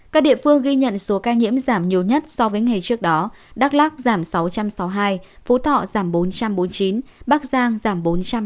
các địa phương ghi nhận số ca nhiễm giảm nhiều nhất so với ngày trước đó đắk lắc giảm sáu trăm sáu mươi hai phú thọ giảm bốn trăm bốn mươi chín bắc giang giảm bốn trăm ba mươi